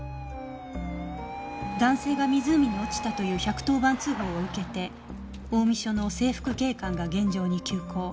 男性が湖に落ちたという１１０番通報を受けて近江署の制服警官が現場に急行。